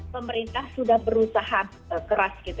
pemerintah sudah berusaha keras